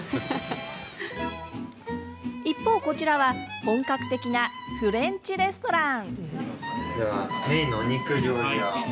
一方、こちらは本格的なフレンチレストラン。